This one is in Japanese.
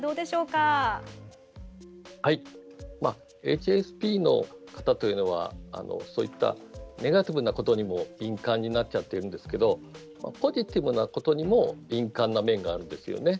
ＨＳＰの方というのはそういったネガティブなことにも敏感になっちゃってるんですけどポジティブなことにも敏感な面があるんですよね。